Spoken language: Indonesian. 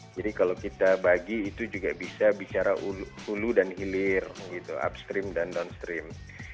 jadi kalau kita bagi itu juga bisa bicara hulu dan hilir gitu upstream dan downstream